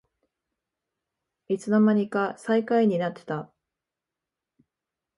いつのまにか最下位になってた